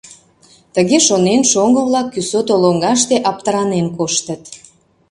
Тыге шонен, шоҥго-влак кӱсото лоҥгаште аптыранен коштыт.